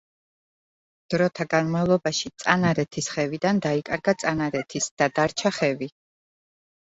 დროთა განმავლობაში „წანარეთის ხევიდან“ დაიკარგა „წანარეთის“ და დარჩა „ხევი“.